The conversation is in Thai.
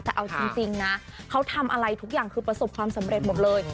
แต่เอาจริงนะเขาทำอะไรทุกอย่างคือประสบความสำเร็จหมดเลย